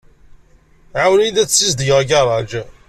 Ɛiwen-iyi ad sizedgeɣ agaraǧ.